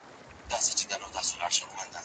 کېدای سي وخت تنظیم سي.